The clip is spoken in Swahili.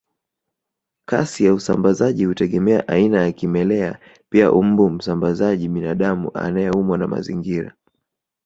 Kasi ya usambazaji hutegemea aina ya kimelea pia mbu msambazaji binadamu anayeumwa na mazingira